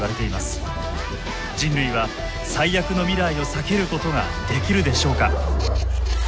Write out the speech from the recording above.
人類は最悪の未来を避けることができるでしょうか。